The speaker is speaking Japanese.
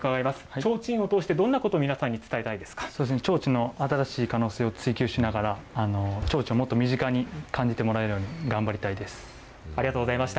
提灯を通して、どんなことを皆さ提灯の新しい可能性を追求しながら、提灯をもっと身近に感じてもらえるように頑張りたいです。